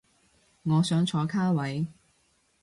我想坐卡位